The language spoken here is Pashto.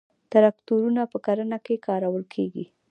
تراکتورونه په کرنه کې کارول کیږي.